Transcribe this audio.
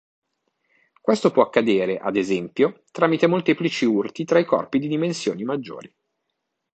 Questo può accadere, ad esempio, tramite molteplici urti tra i corpi di dimensioni maggiori.